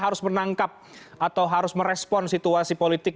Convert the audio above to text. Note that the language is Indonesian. harus menangkap atau harus merespon situasi politik